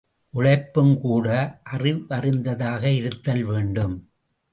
உழைப்பும் கூட அறிவறிந்ததாக இருத்தல் வேண்டும்.